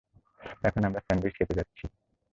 এখন, আমরা স্যান্ডউইচ খেতে যাচ্ছি।